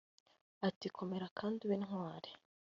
ati «komera kandi ube intwari,